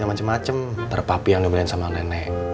ntar papi yang dibeliin sama nenek